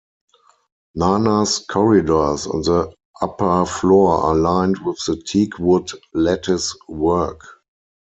Nana's corridors on the upper floor are lined with teak-wood lattice work.